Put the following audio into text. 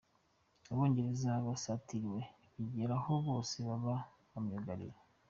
Abongereza basatiriwe bigera aho bose baba ba myugariro.